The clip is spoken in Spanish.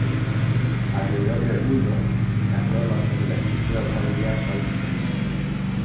Alrededor del mundo, las normas sobre la estructura familiar son diferentes.